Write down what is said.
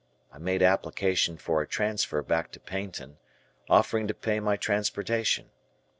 I made application for a transfer back to Paignton, offering to pay my transportation.